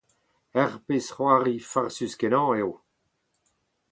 Ur pezh-c'hoari farsus-kenañ eo.